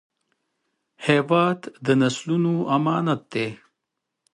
هېواد د نسلونو امانت دی.